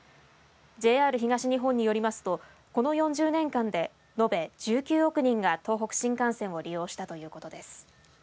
ＪＲ東日本によりますとこの４０年間で延べ１９億人が東北新幹線を利用したということです。